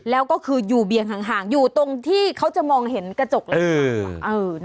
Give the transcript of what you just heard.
แล้วก็คืออยู่เบียงห่างอยู่ตรงที่เขาจะมองเห็นกระจกหลัง